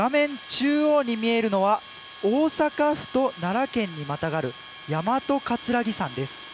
中央に見えるのは大阪府と奈良県にまたがる大和葛城山です。